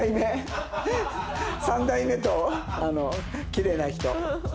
３代目ときれいな人。